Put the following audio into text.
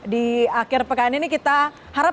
di akhir pekan ini kita harap